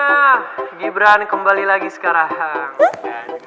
nah gibran kembali lagi sekarang hang